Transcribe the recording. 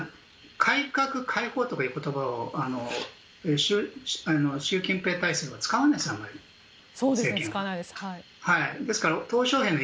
改革開放という言葉を習近平体制は使わないんです。